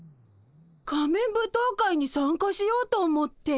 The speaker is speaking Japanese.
仮面舞踏会に参加しようと思って。